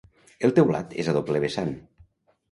El teulat és a doble vessant.